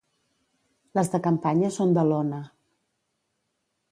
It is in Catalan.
Les de campanya són de lona.